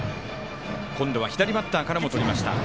今度は左バッターからもとりました。